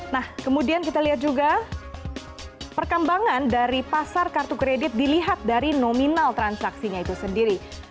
nah kemudian kita lihat juga perkembangan dari pasar kartu kredit dilihat dari nominal transaksinya itu sendiri